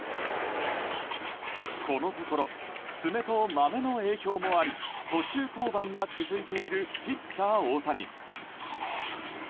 このところ爪とまめの影響もあり途中降板が続いているピッチャー大谷。